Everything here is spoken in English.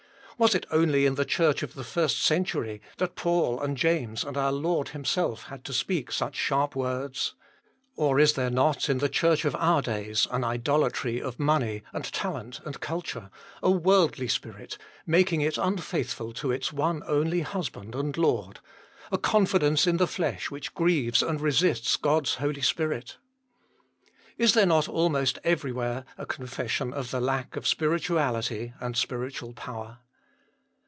Was it only in the Church of the first century, that Paul and James and our Lord Him self had to speak such sharp words ? Or is there not in the Church of our days an idolatry of money and talent and culture, a worldly spirit, making it unfaithful to its one only Husband and Lord, a con fidence in the flesh which grieves and resists God s Holy Spirit ? Is there not almost everywhere a confession of the lack of spirituality and spiritual power